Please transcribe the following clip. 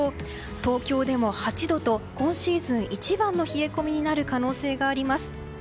東京でも８度と今シーズン一番の冷え込みになる可能性があります。